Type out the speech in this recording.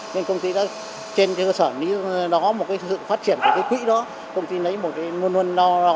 nên công ty đã trên cơ sở nếu nó có một sự phát triển của cái quỹ đó công ty lấy một nguồn nguồn đó